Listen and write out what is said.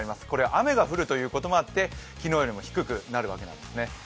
雨が降るということもあって昨日よりも低くなるわけなんですね。